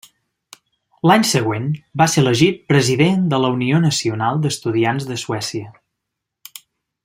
L'any següent, va ser elegit President de la Unió Nacional d'Estudiants de Suècia.